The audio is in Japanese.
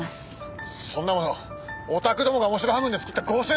そんなものオタクどもが面白半分で作った合成だろ！